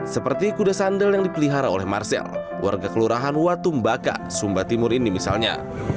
seperti kuda sandal yang dipelihara oleh marcel warga kelurahan watumbaka sumba timur ini misalnya